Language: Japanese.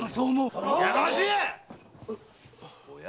やかましいやい‼